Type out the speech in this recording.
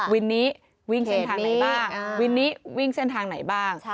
วินนี้วิ่งเส้นทางไหนบ้างวินนี้วิ่งเส้นทางไหนบ้าง